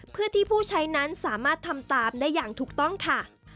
เพื่อที่ผู้ใช้นั้นสามารถทำตามได้อย่างถูกต้องค่ะ